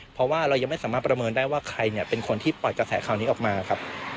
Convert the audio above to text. เพราะว่าเรายังไม่สามารถประเมินได้ว่าใครเป็นคนที่ปล่อยกระแสข่าวนี้ออกมาครับ